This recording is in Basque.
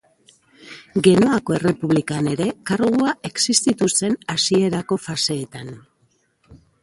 Genoako Errepublikan ere kargua existitu zen hasierako faseetan.